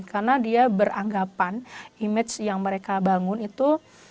karena dia beranggapan image yang mereka bangun itu